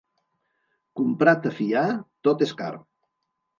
Comprat a fiar, tot és car.